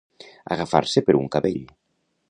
Agafar-se per un cabell.